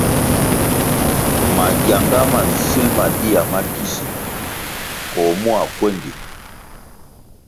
Mangyanga ma nsil ma dia makisi koh mua kwéndi.